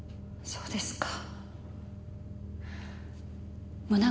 そうですか。